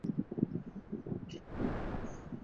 三枝九叶草是小檗科淫羊藿属的植物。